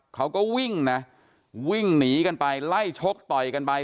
เขาก็วิ่งนะวิ่งหนีกันไปไล่ชกต่อยกันไป